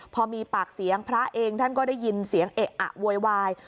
พอมีปากเสียงพระเองท่านก็ได้ยินเสียงเอะอะโวยวาย